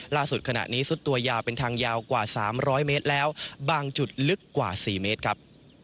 ล่าสุดขณะนี้ซุดตัวยาวเป็นทางยาวกว่า๓๐๐เมตรแล้วบางจุดลึกกว่า๔เมตรครับ